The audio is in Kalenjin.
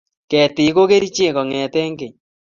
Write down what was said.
Ketik go gerichek kongete keny